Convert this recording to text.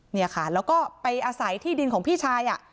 เนี่ยค่ะแล้วก็ไปอาศัยที่ดินของพี่ชาย